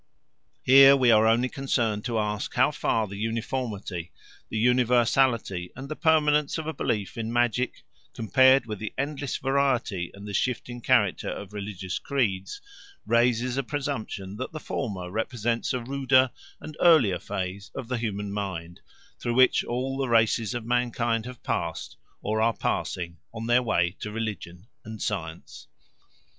Here we are only concerned to ask how far the uniformity, the universality, and the permanence of a belief in magic, compared with the endless variety and the shifting character of religious creeds, raises a presumption that the former represents a ruder and earlier phase of the human mind, through which all the races of mankind have passed or are passing on their way to religion and science.